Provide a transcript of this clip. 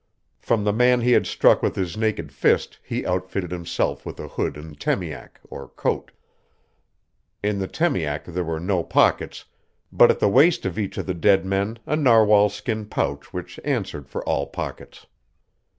From the man he had struck with his naked fist he outfitted himself with a hood and temiak, or coat. In the temiak there were no pockets, but at the waist of each of the dead men a narwhal skin pouch which answered for all pockets.